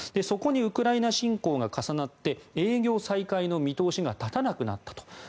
そこにウクライナ侵攻が重なって営業再開の見通しが立たなくなったと。